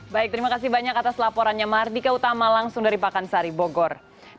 baik terima kasih banyak atas laporannya mardika utama langsung dari pakansari bogor